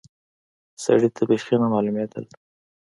سړي ته بيخي نه معلومېدل.